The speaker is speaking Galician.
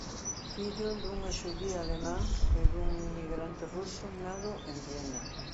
Fillo dunha xudía alemá e dun inmigrante ruso nado en Viena.